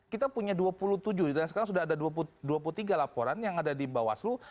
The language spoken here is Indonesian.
kita punya dua puluh tujuh dan sekarang sudah ada dua puluh tiga laporan yang ada di bawaslu